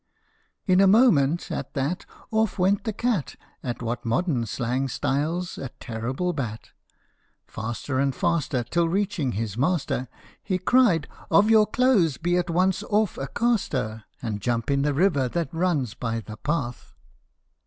In a moment at that off went the cat At what modern slang styles "a terrible bat," Faster and faster, till, reaching his master, He cried, " Of your clothes be at once off a caster, And jump in the river that runs by the path